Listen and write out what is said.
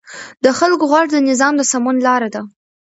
د خلکو غږ د نظام د سمون لار ده